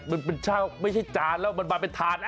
มันเป็นช่างไม่ใช่จานแล้วมันมาเป็นทานนะ